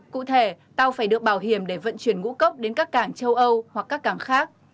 cụ thể tàu phải được bảo hiểm để vận chuyển ngũ cốc đến các cảng châu âu hoặc các cảng khác